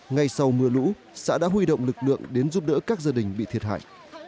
ngay sau mưa lũ xã đã huy động lực lượng đến giúp đỡ các gia đình bị thiệt hại